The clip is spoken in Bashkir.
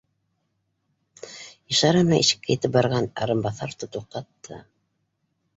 Ишара менән ишеккә етеп барған Арынбаҫаровты туҡтатты: